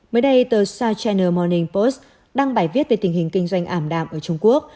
mới đây tờ soi china munning post đăng bài viết về tình hình kinh doanh ảm đạm ở trung quốc